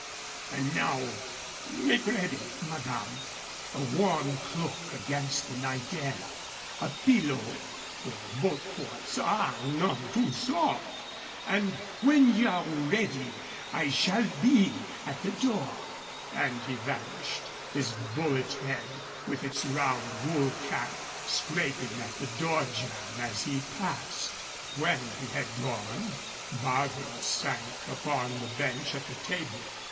And now make ready, madame. A warm cloak against the night air, a pillow for boat thwarts are none too soft; and when ye are ready I shall be at the door." And he vanished, his bullet head, with its round wool cap, scraping at the door jamb as he passed. When he had gone, Barbara sank upon the bench at the table.